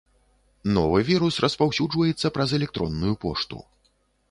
Новы вірус распаўсюджваецца праз электронную пошту.